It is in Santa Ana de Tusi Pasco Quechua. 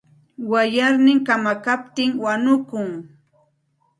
Wayarnin kamakaptin wanukun.